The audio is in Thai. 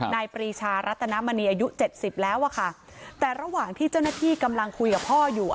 ปรีชารัตนมณีอายุเจ็ดสิบแล้วอะค่ะแต่ระหว่างที่เจ้าหน้าที่กำลังคุยกับพ่ออยู่